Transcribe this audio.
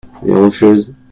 Les Rocheuses.